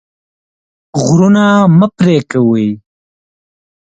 غرونه مه پرې کوئ.